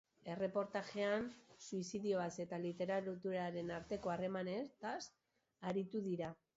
Erreportajean, suizidioaz eta literaturaren arteko harremanaz arituko dira.